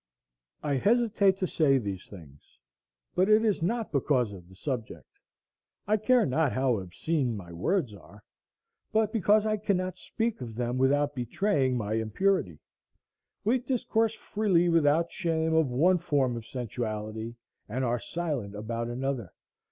I hesitate to say these things, but it is not because of the subject,—I care not how obscene my words are,—but because I cannot speak of them without betraying my impurity. We discourse freely without shame of one form of sensuality, and are silent about another.